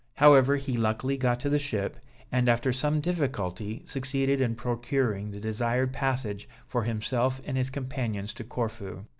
However, he luckily got to the ship, and after some difficulty, succeeded in procuring the desired passage for himself and his companions to Corfu.